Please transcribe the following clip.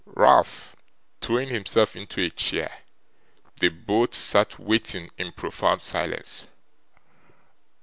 Ralph, throwing himself into a chair, they both sat waiting in profound silence.